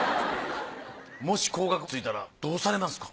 もし高額ついたらどうされますか？